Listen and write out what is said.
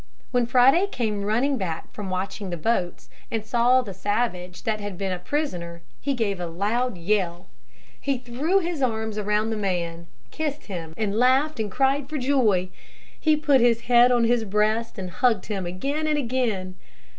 When Friday came running back from watching the boats and saw the savage that had been a prisoner he gave a loud yell. He threw his arms around the man, kissed him and laughed and cried for joy. He put his head on his breast and hugged him again and again.